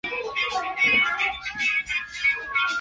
从此丝绸就在这里扎根了。